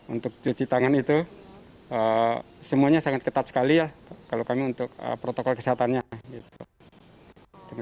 untuk cuci tangan itu semuanya sangat ketat sekali ya kalau kami untuk protokol kesehatannya